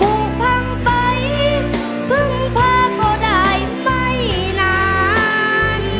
ผูกพังไปพึ่งพาก็ได้ไม่นาน